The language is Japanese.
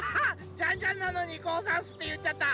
ジャンジャンなのにござんすっていっちゃった！